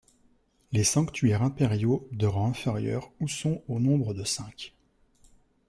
Les sanctuaires impériaux de rang inférieur ou sont au nombre de cinq.